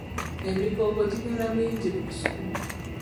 Emigogo gibeera mingi mu lusuku.